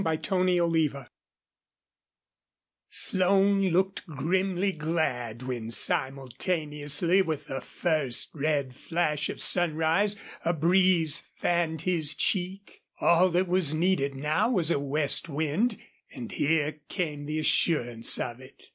CHAPTER VII Slone looked grimly glad when simultaneously with the first red flash of sunrise a breeze fanned his cheek. All that was needed now was a west wind. And here came the assurance of it.